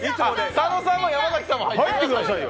佐野さんも山崎さんも入ってくださいよ！